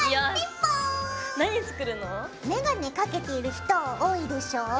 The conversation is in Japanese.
メガネかけている人多いでしょ？